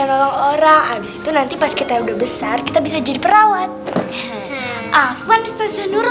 nolong orang habis itu nanti pas kita udah besar kita bisa jadi perawat afan ustadz handuro